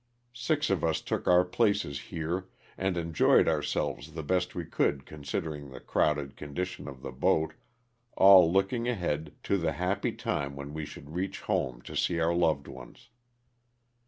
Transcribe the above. Six of us took our places here, and enjoyed ourselves the best we could consid ering the crowded condition of the boat, all looking ahead to the happy time when we should reach home to see our loved ones.